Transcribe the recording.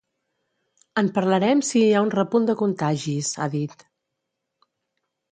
“En parlarem si hi ha un repunt de contagis”, ha dit.